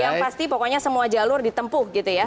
yang pasti pokoknya semua jalur ditempuh gitu ya